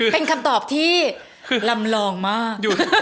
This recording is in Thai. เป็นคำตอบที่ลำลองมาก